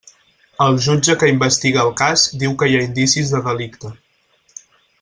El jutge que investiga el cas diu que hi ha indicis de delicte.